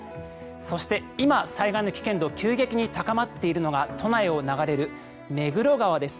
そして、今、災害の危険度が急激に高まっているのが都内を流れる目黒川です。